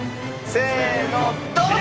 せーのドン！